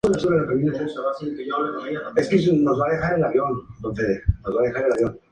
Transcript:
Tiene una distribución euroasiática.